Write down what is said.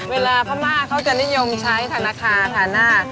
เวลาพม่าเขาจะนิยมใช้ธนาคาธนา